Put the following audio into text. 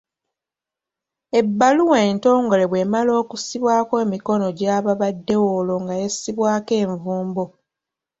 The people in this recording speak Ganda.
Ebbaluwa entongole bw'emala okussibwako emikono gy'ababaddewo olwo nga essibwako envumbo.